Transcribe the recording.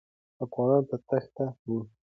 افغانان په تېښته وو.